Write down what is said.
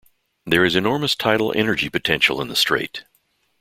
There is enormous tidal energy potential in the Strait.